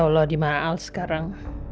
ya allah dimarah al sekarang